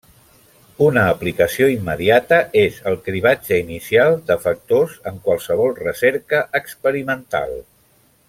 Una aplicació immediata és el cribratge inicial de factors en qualsevol recerca experimental.